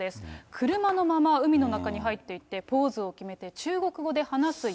車のまま海の中に入っていって、ポーズを決めて、中国語で話す様